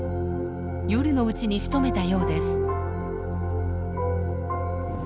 夜のうちにしとめたようです。